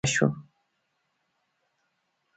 دین هم د دې قاعدې له مستثنا پاتې نه شو.